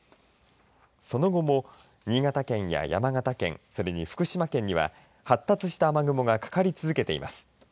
その後も、新潟県や山形県それに福島県には発達した雨雲がかかり続けています。